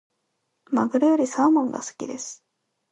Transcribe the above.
マグロよりサーモンが好きです。